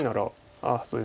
あっそうですね